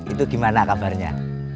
itu gimana kabarnya